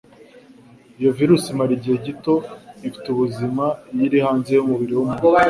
Iyo virusi imara igihe gito ifite ubuzima iyo iri hanze y'umubiri w'umuntu